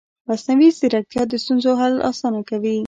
مصنوعي ځیرکتیا د ستونزو حل اسانه کوي.